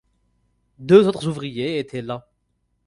Deux autres ouvriers étaient là.